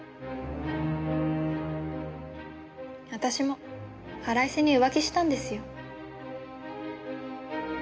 私も腹いせに浮気したんですよ。